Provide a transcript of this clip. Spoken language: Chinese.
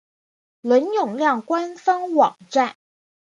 伦永亮官方网站